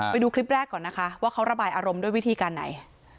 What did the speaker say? ไปดูคลิปแรกก่อนนะคะว่าเขาระบายอารมณ์ด้วยวิธีการไหน